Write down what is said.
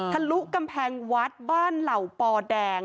ทะลุกำแพงวัดบ้านเหล่าปอแดง